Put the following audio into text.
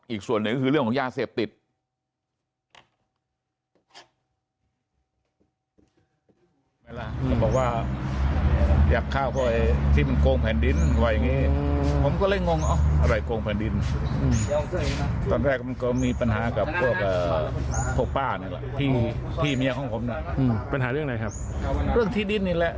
อีกส่วนหนึ่งก็คือเรื่องของยาเสพติด